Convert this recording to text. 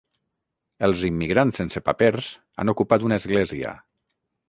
Els immigrants sense papers han ocupat una església.